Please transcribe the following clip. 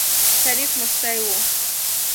شريف موسکی و.